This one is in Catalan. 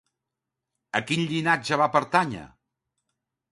A quin llinatge va pertànyer?